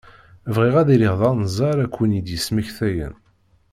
Bɣiɣ ad iliɣ d anza ara ken-id-yesmektayen.